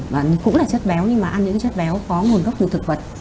mà cũng là chất béo nhưng mà ăn những cái chất béo có nguồn gốc như thực vật